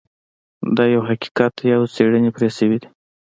دا یو حقیقت دی او څیړنې پرې شوي دي